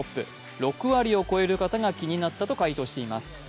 ６割を超える方が気になったと回答しています。